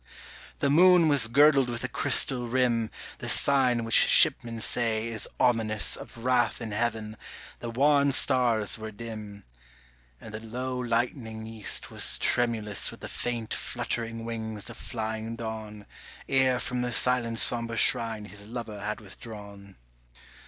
The moon was girdled with a crystal rim, The sign which shipmen say is ominous Of wrath in heaven, the wan stars were dim, And the low lightening east was tremulous With the faint fluttering wings of flying dawn, Ere from the silent sombre shrine his lover had withdrawn.